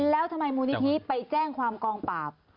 แล้วทำไมมูลนิธิไปแจ้งความกองปราบ